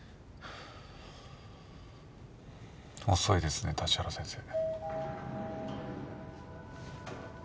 遅いですね立原先生。